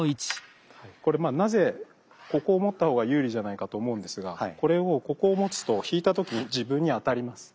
これまあなぜここを持ったほうが有利じゃないかと思うんですがこれをここを持つと引いた時自分に当たります。